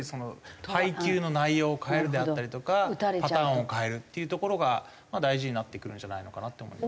配球の内容を変えるであったりとかパターンを変えるっていうところが大事になってくるんじゃないのかなと思います。